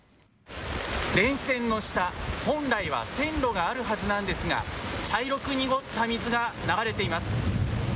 電線の下、本来は線路があるはずなんですが茶色く濁った水が流れています。